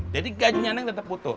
jadi gajinya nenek tetep butuh